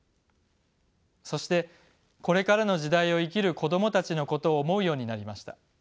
そしてこれからの時代を生きる子どもたちのことを思うようになりました。